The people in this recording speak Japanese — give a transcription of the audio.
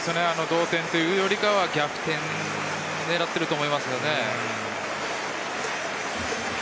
同点というよりは逆転を狙っていると思いますね。